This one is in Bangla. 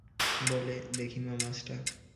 বলে, দেখি মা মাছটা?